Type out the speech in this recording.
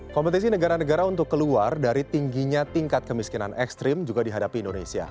kompetisi negara negara untuk keluar dari tingginya tingkat kemiskinan ekstrim juga dihadapi indonesia